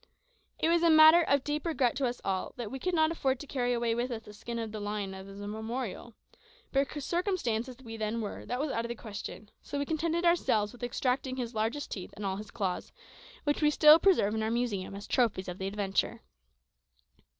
It was a matter of deep regret to us all that we could not afford to carry away with us the skin of this lion as a memorial; but circumstanced as we then were, that was out of the question, so we contented ourselves with extracting his largest teeth and all his claws, which we still preserve in our museum as trophies of the adventure.